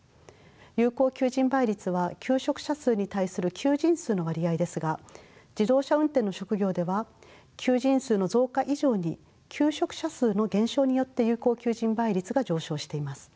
有効求人倍率は求職者数に対する求人数の割合ですが自動車運転の職業では求人数の増加以上に求職者数の減少によって有効求人倍率が上昇しています。